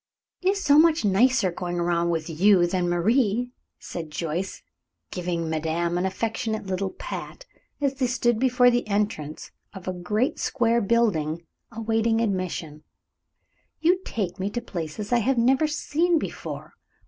"It is so much nicer going around with you than Marie," said Joyce, giving madame an affectionate little pat, as they stood before the entrance of a great square building, awaiting admission. "You take me to places that I have never seen before.